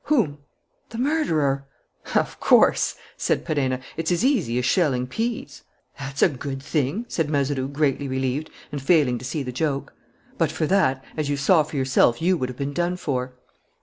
"Whom?" "The murderer." "Of course!" said Perenna. "It's as easy as shelling peas!" "That's a good thing!" said Mazeroux, greatly relieved and failing to see the joke. "But for that, as you saw for yourself, you would have been done for."